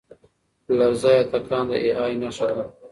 لرزه یا تکان د اې ای نښه ده.